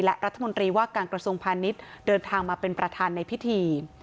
และรัฐมนตรีว่าการกระทรวงพาณิชย์เดินทางมาเป็นประธานในพิธี